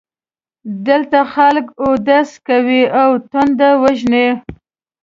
دلته خلک اودس کوي او تنده وژني.